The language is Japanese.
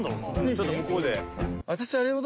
ちょっと向こうで。